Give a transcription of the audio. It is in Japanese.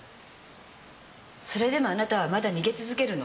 それでもあなたはまだ逃げ続けるの？